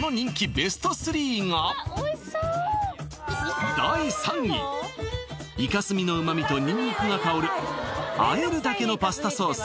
ベスト３が第３位いかすみの旨味とニンニクが香るあえるだけのパスタソース